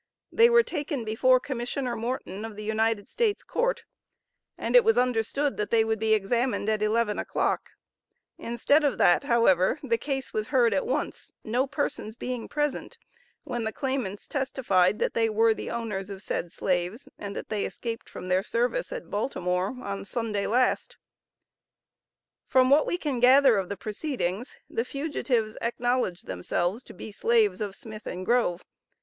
They were taken before Commissioner Morton, of the United States Court, and it was understood that they would be examined at 11 o'clock; instead of that, however, the case was heard at once, no persons being present, when the claimnants testified that they were the owners of said slaves and that they escaped from their service at Baltimore, on Sunday last. From what we can gather of the proceedings, the fugitives acknowledged themselves to be slaves of Smith and Grove.